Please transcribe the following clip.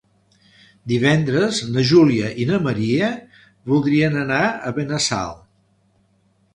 Divendres na Júlia i na Maria voldrien anar a Benassal.